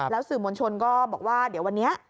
สื่อมวลชนก็บอกว่าเดี๋ยววันนี้